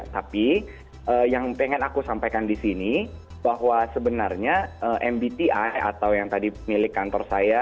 tapi yang pengen aku sampaikan di sini bahwa sebenarnya mbti atau yang tadi milik kantor saya